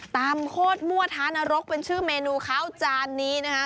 โคตรมั่วท้านรกเป็นชื่อเมนูข้าวจานนี้นะคะ